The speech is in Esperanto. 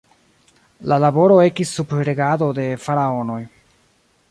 La laboro ekis sub regado de Faraonoj.